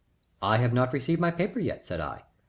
"I have not received my paper yet," said I.